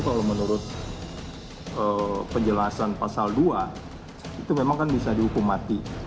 kalau menurut penjelasan pasal dua itu memang kan bisa dihukum mati